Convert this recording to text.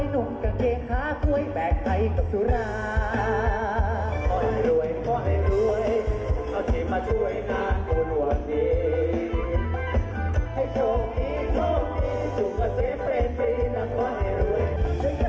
ต้องเจอกันแน่เพราะทุกสาวค่ะ